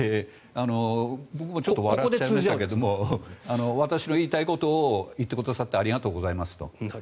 僕もちょっと笑っちゃいましたけど私の言いたいことを言ってくださってありがとうございますと。